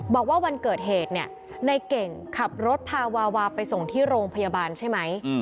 บอกว่าวันเกิดเหตุเนี่ยในเก่งขับรถพาวาวาไปส่งที่โรงพยาบาลใช่ไหม